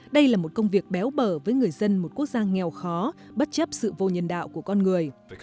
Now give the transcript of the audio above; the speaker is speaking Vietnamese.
đây là một công việc béo bở với người dân một quốc gia nghèo khó bất chấp sự vô nhân đạo của con người